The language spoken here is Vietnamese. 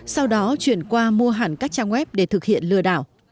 sau đó chuyển qua mua hẳn các trang web để thực hiện lừa đảo